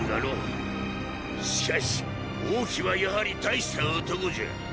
しかし王騎はやはり大した男じゃ。